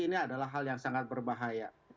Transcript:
ini adalah hal yang sangat berbahaya